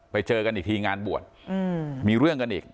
ไปเจอกันอีกทีงานบวชมีเรื่องกันอีก